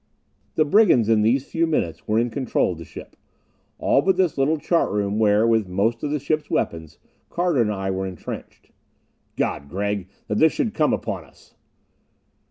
The brigands in these few minutes were in control of the ship. All but this little chart room, where, with most of the ship's weapons, Carter and I were intrenched. "God, Gregg, that this should come upon us!"